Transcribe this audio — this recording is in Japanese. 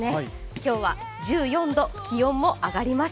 今日は１４度、気温も上がります。